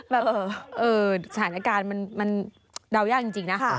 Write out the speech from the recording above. แบบสถานการณ์มันเดายากจริงนะ